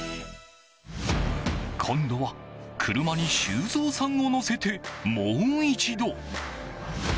今度は車に修造さんを乗せてもう一度。